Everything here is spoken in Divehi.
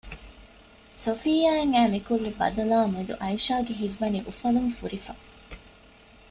ސޮފިއްޔާއަށް އައި މިކުއްލި ބަދަލާމެދު އައިޝާގެ ހިތްވަނީ އުފަލުން ފުރިފަ